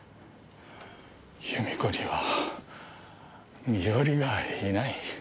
弓子には身寄りがいない。